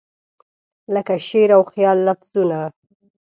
لکه شعر او خیال لفظونه